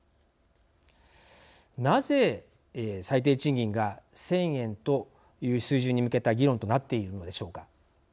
なぜ最低賃金が１０００円という水準に向けた議論となっているのでしょうか。